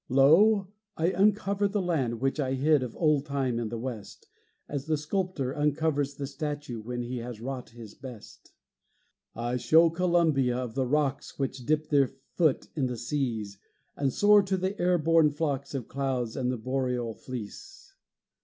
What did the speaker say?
Lo! I uncover the land, Which I hid of old time in the West, As the sculptor uncovers the statue When he has wrought his best; I show Columbia, of the rocks Which dip their foot in the seas, And soar to the air borne flocks Of clouds and the boreal fleece.